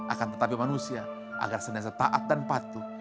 akan tetapi manusia agar senaza taat dan patuh